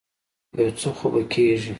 يو څه خو به کېږي.